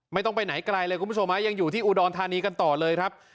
ไม่ต้องไปไหนไกลเลยคุณผู้ชมยังอยู่ที่อุดรธานีกันต่อเลยครับ